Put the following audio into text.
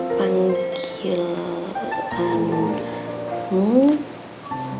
abang kasih jatuh baik